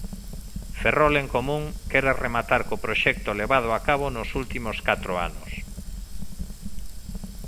Ferrol en Común quere rematar co proxecto levado a cabo nos últimos catro anos.